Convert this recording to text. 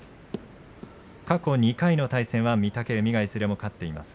過去２回の対戦は御嶽海がいずれも勝っています。